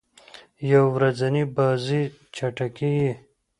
یو ورځنۍ بازۍ چټکي يي.